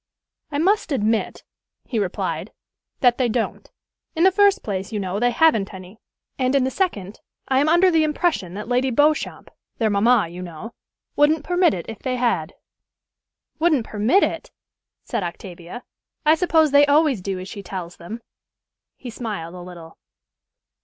"I must admit," he replied, "that they don't. In the first place, you know, they haven't any; and, in the second, I am under the impression that Lady Beauchamp their mamma, you know wouldn't permit it if they had." "Wouldn't permit it!" said Octavia. "I suppose they always do as she tells them?" He smiled a little.